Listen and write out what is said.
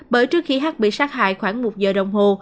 bởi trước khi hắt bị sát hại khoảng một giờ đồng hồ